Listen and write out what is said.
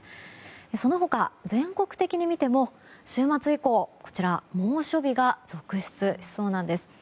その他、全国的に見ても週末以降猛暑日が続出しそうなんです。